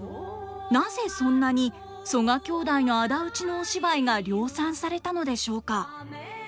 なぜそんなに曽我兄弟の仇討ちのお芝居が量産されたのでしょうか？